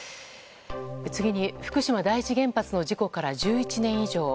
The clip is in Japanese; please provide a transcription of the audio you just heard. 次に福島第一原発の事故から１１年以上。